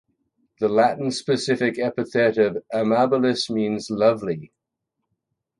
The Latin specific epithet of "amabilis" means lovely.